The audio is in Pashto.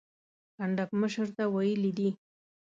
کنډک مشر ته ویلي دي.